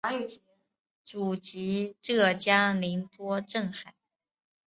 祖籍浙江宁波镇海。